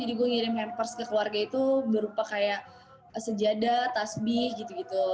jadi gue ngirim hampers ke keluarga itu berupa kayak sejadah tasbih gitu gitu